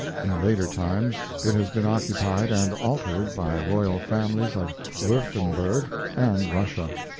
In later times it has been occupied and altered by royal families of Wurtemberg and Russia.